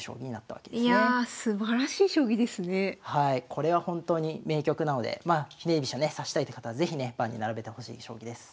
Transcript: これは本当に名局なのでひねり飛車ね指したいって方は是非ね盤に並べてほしい将棋です。